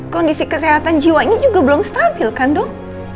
kondisi kesehatan jiwanya juga belum stabil kan dok